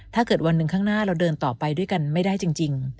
ถ้าเกิดวันหนึ่งข้างหน้าเราเดินต่อไปด้วยกันไม่ได้จริง